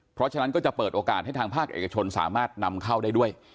เพราะฉะนั้นก็จะเปิดโอกาสให้ทางภาคเอกชนสามารถนำเข้าได้ด้วย